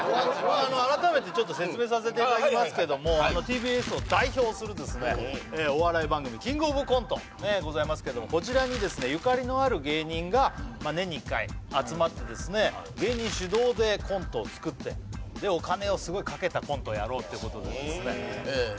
改めてちょっと説明させていただきますけどもＴＢＳを代表するですねお笑い番組「キングオブコント」ねえございますけどもこちらにですねゆかりのある芸人がまあ年に一回集まってですね芸人主導でコントを作ってでお金をすごいかけたコントをやろうってことでですね